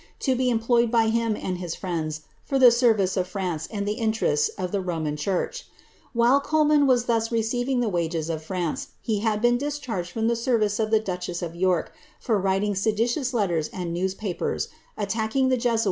to be em* ployed by him and his friends for the service of France and the intereiti of the Roman church.^ While Coleman was thus receiving the wifei of France, he had been discharged from the service of the ducbesi ^ York, for writing seditious letters and newspapers, attacking the jesuitf ' L'Ebtrangc*8 Brief History ; Echard ; Lingard.